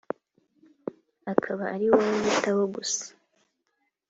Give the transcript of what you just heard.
akaba ari wowe yitaho gusa